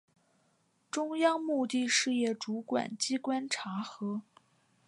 中央目的事业主管机关查核